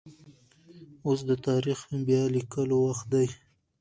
اوس د تاريخ بيا ليکلو وخت دی.